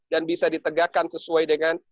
dan bisa ditegakkan sesuai dengan